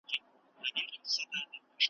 ګاونډي به دي زاغان سي `